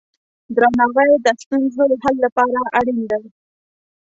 درناوی د ستونزو حل لپاره اړین دی.